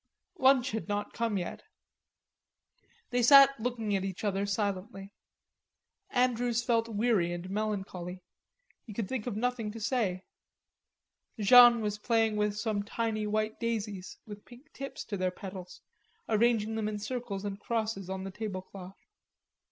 Lunch had not come yet. They sat looking at each other silently. Andrews felt weary and melancholy. He could think of nothing to say. Jeanne was playing with some tiny white daisies with pink tips to their petals, arranging them in circles and crosses on the tablecloth.